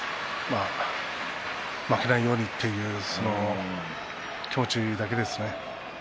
負けないようにという気持ちだけですね。